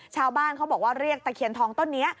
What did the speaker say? ชาวบ้านเขาบอกว่าเรียกตะเคียนทองต้นนี้